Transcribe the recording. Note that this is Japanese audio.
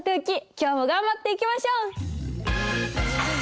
今日も頑張っていきましょう！